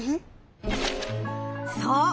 そう。